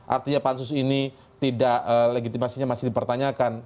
artinya pansus ini tidak legitimasinya masih dipertanyakan